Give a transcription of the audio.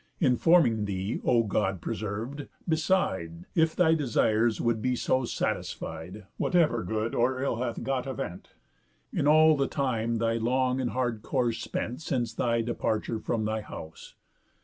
Informing thee, O God preserv'd, beside, If thy desires would so be satisfied, Whatever good or ill hath got event, In all the time thy long and hard course spent, Since thy departure from thy house.